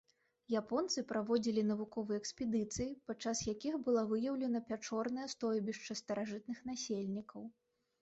Японцы праводзілі навуковыя экспедыцыі, пад час якіх была выяўлена пячорнае стойбішча старажытных насельнікаў.